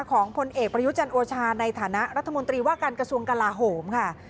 ของพลเอกประยุจันทร์โอชาในฐานะรัฐมนตรีว่าการกระทรวงกลาโหมค่ะ